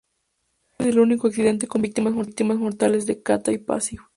Éste es el último accidente con víctimas mortales de Cathay Pacific.